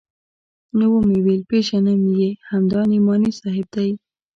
نو ومې ويل پېژنم يې همدا نعماني صاحب دى.